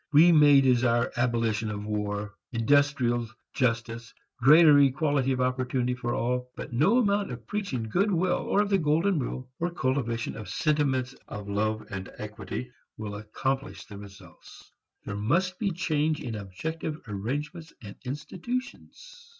We may desire abolition of war, industrial justice, greater equality of opportunity for all. But no amount of preaching good will or the golden rule or cultivation of sentiments of love and equity will accomplish the results. There must be change in objective arrangements and institutions.